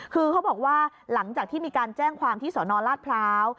คือเขาบอกว่าหลังจากที่มีการแจ้งความที่สนราชพร้าว